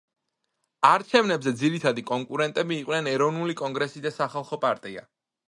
არჩევნებზე ძირითადი კონკურენტები იყვნენ ეროვნული კონგრესი და სახალხო პარტია.